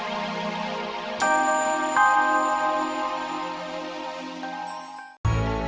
alhamdulillah mila ternyata kamu benar benar anak irfan effendi